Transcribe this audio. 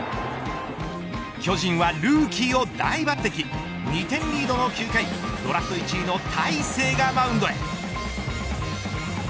巨人はルーキーを大抜てき２点リードの９回ドラフト１位の大勢がマウンドへ。